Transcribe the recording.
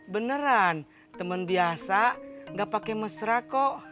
beneran temen biasa gak pake mesra kok